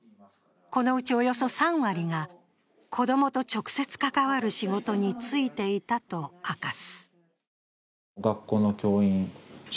このうち、およそ３割が子供と直接関わる仕事に就いていたと明かす。